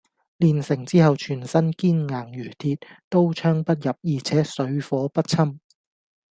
練成之後全身堅硬如鐵，刀槍不入而且水火不侵